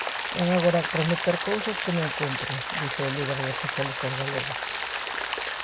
"Vén agora prometer cousas que non cumpre", dixo o líder dos socialistas galegos.